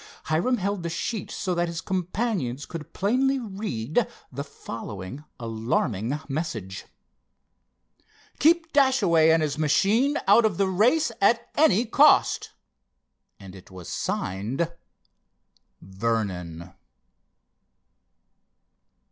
Hiram held the sheet so that his companions could plainly read the following alarming message: "Keep Dashaway and his machine out of the race at any cost." And it was signed: "Vernon."